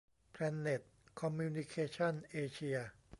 แพลนเน็ต คอมมิวนิเคชั่น เอเชีย